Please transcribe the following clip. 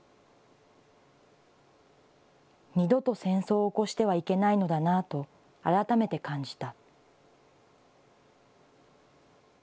二度と戦争を起こしてはいけないのだなと改めて感じた。